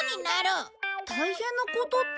大変なことって？